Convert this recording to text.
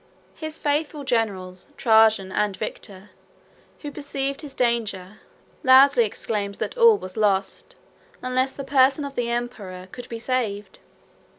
His faithful generals, Trajan and Victor, who perceived his danger, loudly exclaimed that all was lost, unless the person of the emperor could be saved.